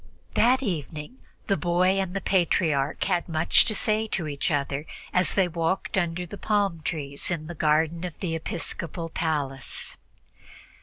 That evening the boy and the Patriarch had much to say to each other as they walked under the palm trees in the garden of the episcopal palace.